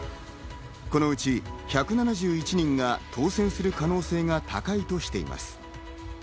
このうち１７１人が当選する可能性が高いとしています。